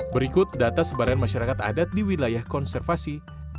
berikut data sebaran masyarakat adat di wilayah konservasi